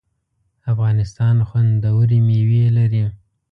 افغانستان خوندوری میوی لري